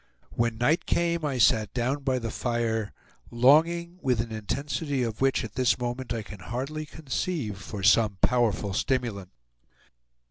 When night came I sat down by the fire, longing, with an intensity of which at this moment I can hardly conceive, for some powerful stimulant.